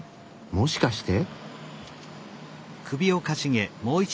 もしかして。